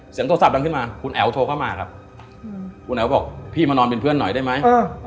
โทรศัพดังขึ้นมาคุณแอ๋วโทรเข้ามาครับคุณแอ๋วบอกพี่มานอนเป็นเพื่อนหน่อยได้ไหม